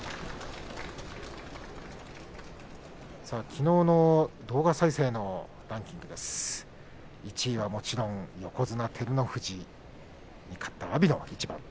きのうの動画再生ランキングの１位は横綱照ノ富士に勝った阿炎の一番。